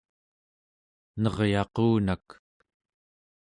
neryaqunak